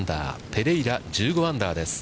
ペレイラ、１５アンダーです。